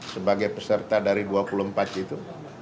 sebagai peserta dari dua puluh empat itu